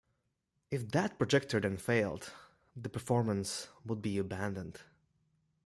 If that projector then failed, the performance would be abandoned.